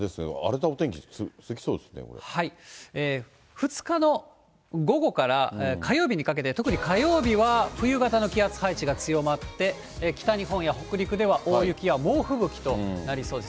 ２日の午後から火曜日にかけて、特に火曜日は冬型の気圧配置が強まって、北日本や北陸では大雪や猛吹雪となりそうです。